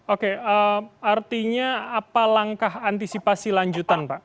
oke artinya apa langkah antisipasi lanjutan pak